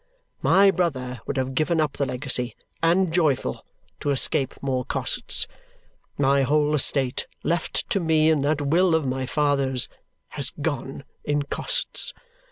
My brother would have given up the legacy, and joyful, to escape more costs. My whole estate, left to me in that will of my father's, has gone in costs.